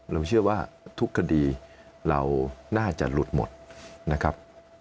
เราเชื่อว่าทุกคดีเราน่าจะหลุดหมดนะครับ